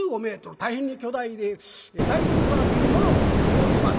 大変に巨大で「大仏は見るものにして尊ばず」。